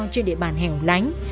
trên địa bàn hẻo lánh